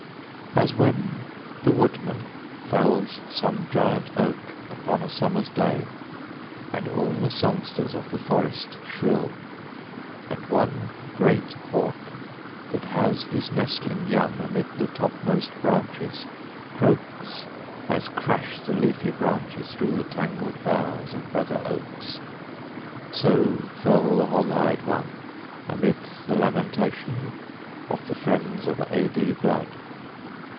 As when the woodman fells Some giant oak upon a summer's day And all the songsters of the forest shrill, And one great hawk that has his nestling young Amid the topmost branches croaks, as crash The leafy branches through the tangled boughs Of brother oaks, so fell the hog eyed one Amid the lamentations of the friends Of A. D. Blood.